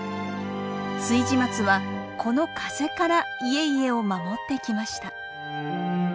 築地松はこの風から家々を守ってきました。